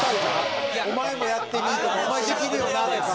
「お前もやってみ」とか「お前できるよな」とか。